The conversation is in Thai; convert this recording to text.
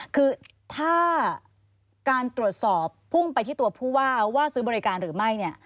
คือถ้าการตรวจสอบพุ่งไปที่ตัวผู้ว่าว่าซื้อบริการหรือไม่เนี่ย